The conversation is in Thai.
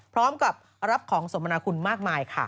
พร้อมกับรับของสมนาคุณมากมายค่ะ